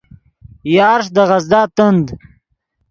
یارݰ دے غزدا تند